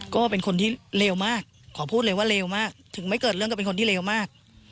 ก็เป็นคนที่เลวมากขอพูดเลยว่าเลวมากถึงไม่เกิดเรื่องกับเป็นคนที่เลวมาก